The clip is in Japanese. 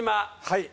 はい。